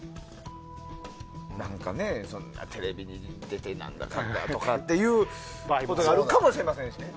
何か、テレビに出て何だかんだということもあるかもしれませんし。